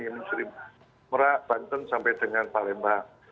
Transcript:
yang mencuri merah banten sampai dengan palembang